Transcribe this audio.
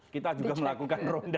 kita juga melakukan ronda